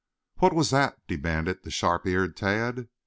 "What was that?" demanded the sharp eared Tad.